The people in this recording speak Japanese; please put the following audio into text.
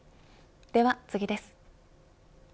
では次です。